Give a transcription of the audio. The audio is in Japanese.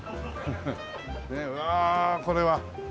うわこれは。